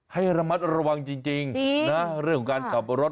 ให้ระมัดระวังจริงนะเรื่องของการขับรถ